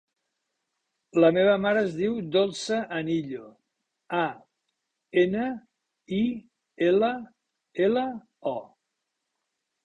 La meva mare es diu Dolça Anillo: a, ena, i, ela, ela, o.